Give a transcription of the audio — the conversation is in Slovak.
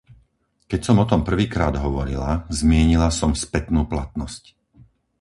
Keď som o tom prvýkrát hovorila, zmienila som spätnú platnosť.